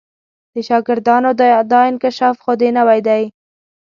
د شاګردانو دا انکشاف خو دې نوی دی.